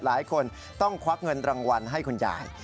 หลายคนต้องควักเงินรางวัลให้คุณยาย